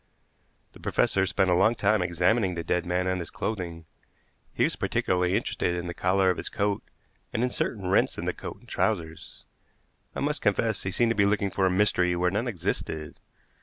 The professor spent a long time examining the dead man and his clothing. He was particularly interested in the collar of his coat, and in certain rents in the coat and trousers. I must confess he seemed to be looking for a mystery where none existed.